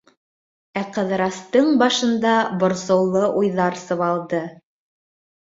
Ә Ҡыҙырастың башында борсоулы уйҙар сыбалды.